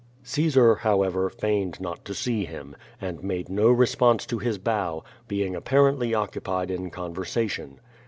Caesar, however, feigned not to see him, and made no re sponse to his bow, being apparently occupied in conversation.